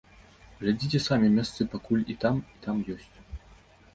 Глядзіце самі, месцы пакуль і там, і там ёсць.